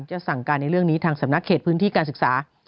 สั่งการในเรื่องนี้ทางสำนักเขตพื้นที่การศึกษา